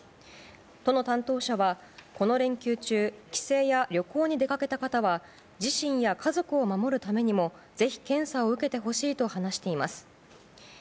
都の担当者は、この連休中、帰省や旅行に出かけた方は、自身や家族を守るためにもぜひ検査を受けてほしいと話しています。